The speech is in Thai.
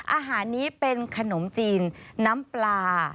อาหารนี้เป็นขนมจีนน้ำปลา